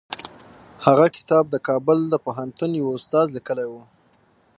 هغه کتاب د کابل پوهنتون یوه استاد لیکلی و.